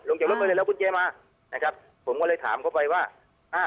จากรถมาเลยแล้วกุญแจมานะครับผมก็เลยถามเขาไปว่าอ่า